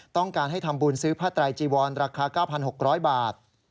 ต้องการให้ทำบุญซื้อผ้าไตรจีวรราคา๙๖๐๐บาท